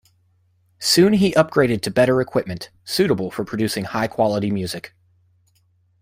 Soon he upgraded to better equipment, suitable for producing high-quality music.